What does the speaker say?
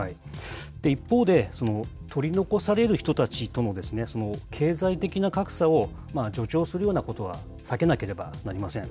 一方で、取り残される人たちとの経済的な格差を助長するようなことは避けなければなりません。